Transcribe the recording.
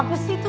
apa sih itu